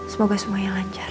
semoga semuanya lancar